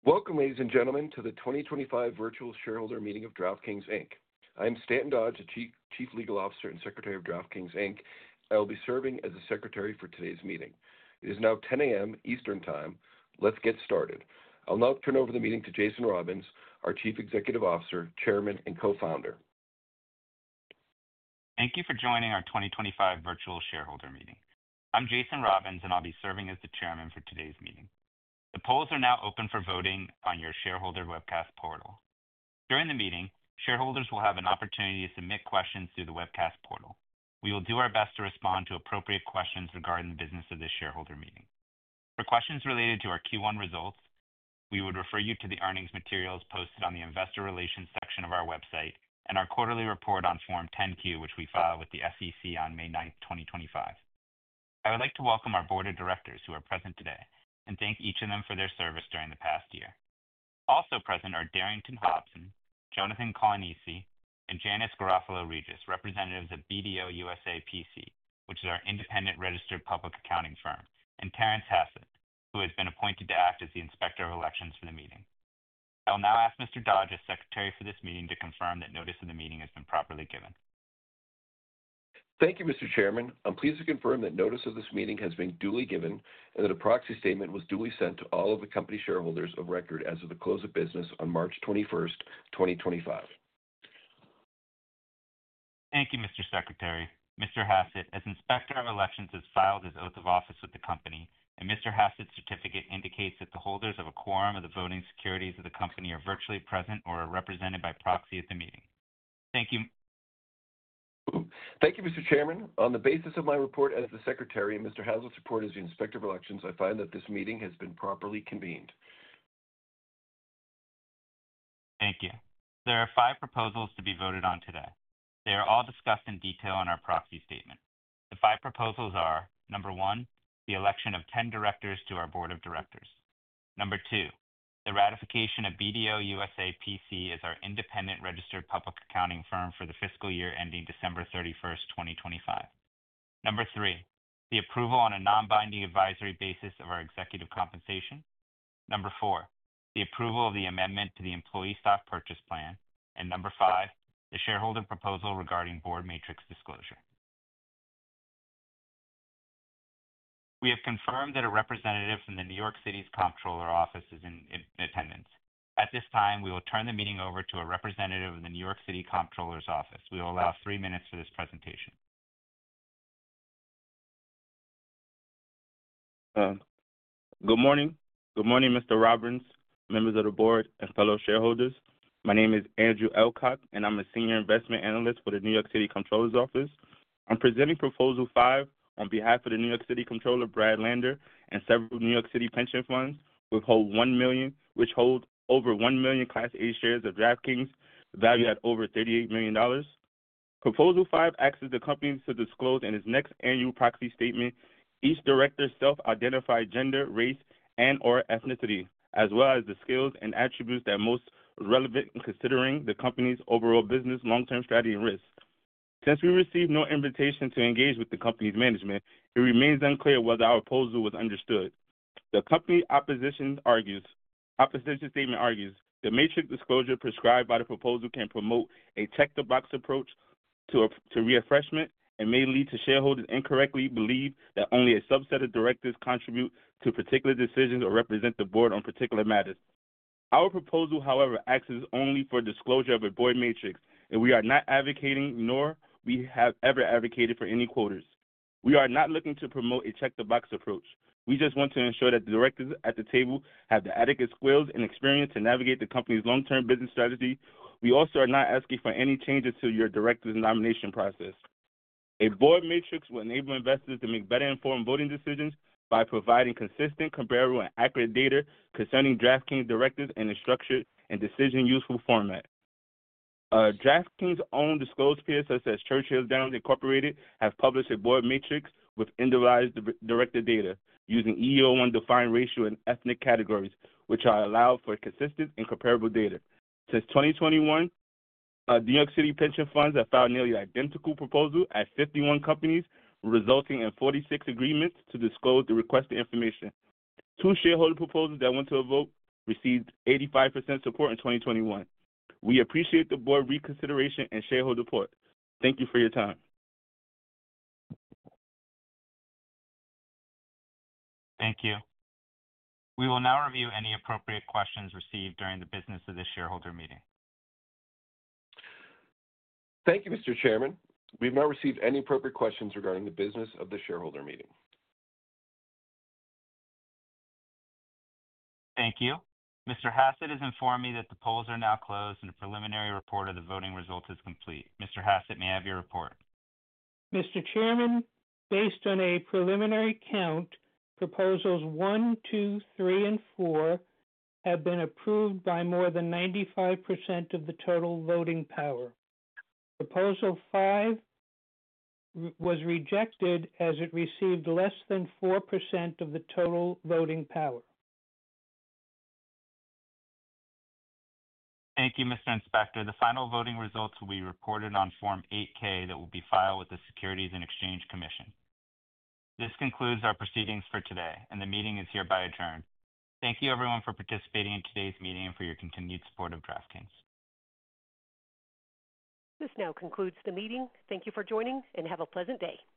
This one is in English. Welcome, ladies and gentlemen, to the 2025 virtual shareholder meeting of DraftKings. I am Stanton Dodge, the Chief Legal Officer and Secretary of DraftKings. I will be serving as the Secretary for today's meeting. It is now 10:00 A.M. Eastern Time. Let's get started. I'll now turn over the meeting to Jason Robbins, our Chief Executive Officer, Chairman, and Co-Founder. Thank you for joining our 2025 virtual shareholder meeting. I'm Jason Robins, and I'll be serving as the Chairman for today's meeting. The polls are now open for voting on your shareholder webcast portal. During the meeting, shareholders will have an opportunity to submit questions through the webcast portal. We will do our best to respond to appropriate questions regarding the business of this shareholder meeting. For questions related to our Q1 results, we would refer you to the earnings materials posted on the Investor Relations section of our website and our quarterly report on Form 10-Q, which we filed with the U.S. Securities and Exchange Commission on May 9, 2025. I would like to welcome our Board of Directors who are present today and thank each of them for their service during the past year. Also present are Darrington Hobson, Jonathan Colonisi, and Janice Garofalo-Regis, representatives of BDO USA PC, which is our independent registered public accounting firm, and Terrence Hassett, who has been appointed to act as the Inspector of Elections for the meeting. I will now ask Mr. Dodge, as Secretary for this meeting, to confirm that notice of the meeting has been properly given. Thank you, Mr. Chairman. I'm pleased to confirm that notice of this meeting has been duly given and that a proxy statement was duly sent to all of the company shareholders of record as of the close of business on March 21, 2025. Thank you, Mr. Secretary. Mr. Hassett, as Inspector of Elections, has filed his oath of office with the company, and Mr. Hassett's certificate indicates that the holders of a quorum of the voting securities of the company are virtually present or are represented by proxy at the meeting. Thank you. Thank you, Mr. Chairman. On the basis of my report as the Secretary and Mr. Hassett's report as the Inspector of Elections, I find that this meeting has been properly convened. Thank you. There are five proposals to be voted on today. They are all discussed in detail on our proxy statement. The five proposals are: Number one, the election of 10 directors to our Board of Directors. Number two, the ratification of BDO USA PC as our independent registered public accounting firm for the fiscal year ending December 31, 2025. Number three, the approval on a non-binding advisory basis of our executive compensation. Number four, the approval of the amendment to the employee stock purchase plan. Number five, the shareholder proposal regarding board matrix disclosure. We have confirmed that a representative from the New York City Comptroller's Office is in attendance. At this time, we will turn the meeting over to a representative of the New York City Comptroller's Office. We will allow three minutes for this presentation. Good morning. Good morning, Mr. Robins, members of the board, and fellow shareholders. My name is Andrew Elkock, and I'm a Senior Investment Analyst for the New York City Comptroller's Office. I'm presenting Proposal 5 on behalf of the New York City Comptroller, Brad Lander, and several New York City pension funds with holds over 1 million Class A shares of DraftKings, valued at over $38 million. Proposal 5 asks the company to disclose in its next annual proxy statement each director's self-identified gender, race, and/or ethnicity, as well as the skills and attributes that are most relevant in considering the company's overall business, long-term strategy, and risks. Since we received no invitation to engage with the company's management, it remains unclear whether our proposal was understood. The company's opposition argues the matrix disclosure prescribed by the proposal can promote a check-the-box approach to reassessment and may lead to shareholders incorrectly believing that only a subset of directors contribute to particular decisions or represent the board on particular matters. Our proposal, however, acts only for disclosure of a board matrix, and we are not advocating, nor have we ever advocated for any quotas. We are not looking to promote a check-the-box approach. We just want to ensure that the directors at the table have the adequate skills and experience to navigate the company's long-term business strategy. We also are not asking for any changes to your director's nomination process. A board matrix will enable investors to make better-informed voting decisions by providing consistent, comparable, and accurate data concerning DraftKings' directors in a structured and decision-yielding format. DraftKings' own disclosed peers, such as Churchill Downs Incorporated, have published a board matrix with individualized director data using EEO-1 defined race and ethnic categories, which allow for consistent and comparable data. Since 2021, New York City pension funds have filed nearly identical proposals at 51 companies, resulting in 46 agreements to disclose the requested information. Two shareholder proposals that went to a vote received 85% support in 2021. We appreciate the board's reconsideration and shareholder support. Thank you for your time. Thank you. We will now review any appropriate questions received during the business of this shareholder meeting. Thank you, Mr. Chairman. We have not received any appropriate questions regarding the business of this shareholder meeting. Thank you. Mr. Hassett has informed me that the polls are now closed and a preliminary report of the voting results is complete. Mr. Hassett, may I have your report? Mr. Chairman, based on a preliminary count, Proposals 1, 2, 3, and 4 have been approved by more than 95% of the total voting power. Proposal 5 was rejected as it received less than 4% of the total voting power. Thank you, Mr. Inspector. The final voting results will be reported on Form 8-K that will be filed with the Securities and Exchange Commission. This concludes our proceedings for today, and the meeting is hereby adjourned. Thank you, everyone, for participating in today's meeting and for your continued support of DraftKings. This now concludes the meeting. Thank you for joining, and have a pleasant day.